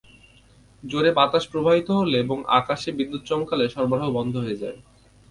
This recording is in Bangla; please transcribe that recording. জোরে বাতাস প্রবাহিত হলে এবং আকাশে বিদ্যুৎ চমকালে সরবরাহ বন্ধ হয়ে যায়।